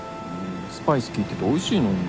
スパイス利いてておいしいのに。